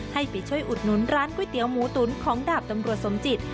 ให้ไปช่วยอุดหนุนร้านก๋วยเตี๋ยวหมูตุ๋นของดาบตำรวจสมจิต